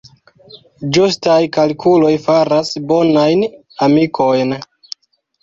Ĝustaj kalkuloj faras bonajn amikojn.